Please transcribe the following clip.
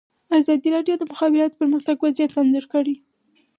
ازادي راډیو د د مخابراتو پرمختګ وضعیت انځور کړی.